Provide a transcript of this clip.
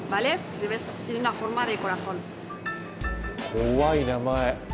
怖い名前。